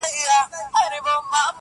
صوفي مخ پر دروازه باندي روان سو.!